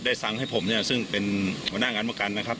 สั่งให้ผมเนี่ยซึ่งเป็นหัวหน้างานประกันนะครับ